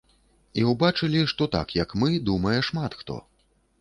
І ўбачылі, што так, як мы, думае шмат хто.